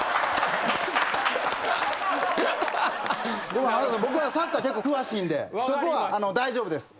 でも僕はサッカー結構詳しいんでそこは大丈夫です。